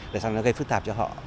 để xong nó gây phức tạp cho họ